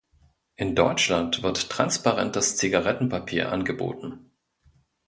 In Deutschland wird transparentes Zigarettenpapier angeboten.